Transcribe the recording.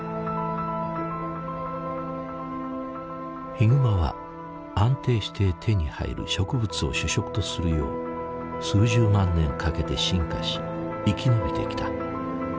ヒグマは安定して手に入る植物を主食とするよう数十万年かけて進化し生き延びてきた。